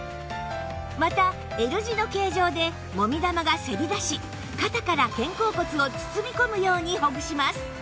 また Ｌ 字の形状でもみ玉がせり出し肩から肩甲骨を包み込むようにほぐします